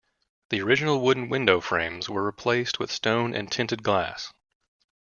The original wooden window frames were replaced with stone and tinted glass.